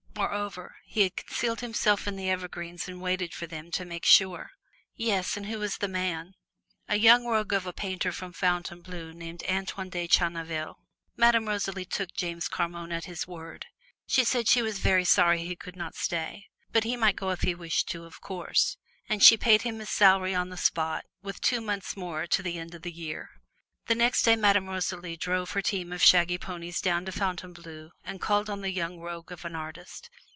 Moreover, he had concealed himself in the evergreens and waited for them, to make sure. Yes, and who was the man? A young rogue of a painter from Fontainebleau named Antoine de Channeville. Madame Rosalie took Jules Carmonne at his word. She said she was sorry he could not stay, but he might go if he wished to, of course. And she paid him his salary on the spot with two months more to the end of the year. The next day Madame Rosalie drove her team of shaggy ponies down to Fontainebleau and called on the young rogue of an artist.